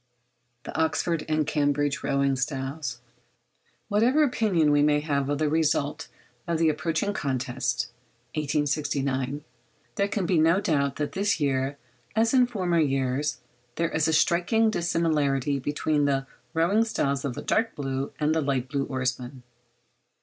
THE OXFORD AND CAMBRIDGE ROWING STYLES. Whatever opinion we may have of the result of the approaching contest (1869), there can be no doubt that this year, as in former years, there is a striking dissimilarity between the rowing styles of the dark blue and the light blue oarsmen.